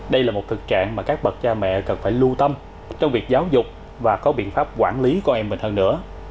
đây là một thực trạng mà các bậc cha mẹ cần phải lưu tâm trong việc giáo dục và có biện pháp quản lý con em mình hơn nữa